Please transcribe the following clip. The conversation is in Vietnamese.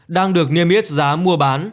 đang được niêm yết giá mua bán